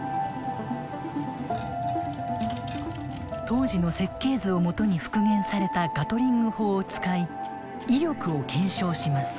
当時の設計図を基に復元されたガトリング砲を使い威力を検証します。